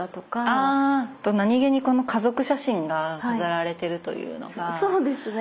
あと何気にこの家族写真が飾られてるというのがいいですね。